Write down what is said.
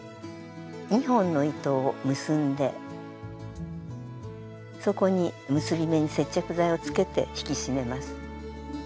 ２本の糸を結んでそこに結び目に接着剤をつけて引き締めます。